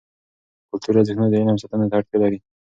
کلتوري ارزښتونه د علم ساتنې ته اړتیا لري.